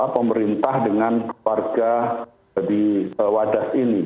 pemerintah dengan keluarga di wadas ini